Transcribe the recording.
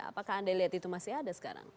apakah anda lihat itu masih ada sekarang